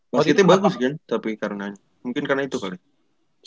wasitnya bagus kan tapi karena mungkin karena itu kali